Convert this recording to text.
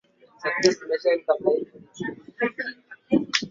pili jeshi la polisi munaweza mukasema munalinda amani kumbe ile amani ni vitisho